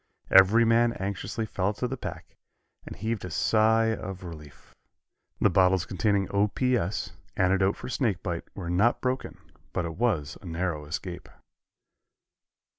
Every man anxiously felt of the pack, and heaved a sigh of relief. The bottles containing O. P. S., antidote for snake bite, were not broken, but it was a narrow escape.